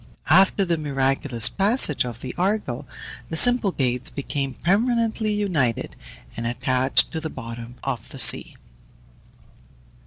After the miraculous passage of the Argo, the Symplegades became permanently united, and attached to the bottom of the sea.